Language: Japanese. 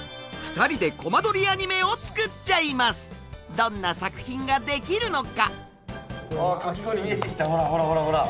どんな作品ができるのか！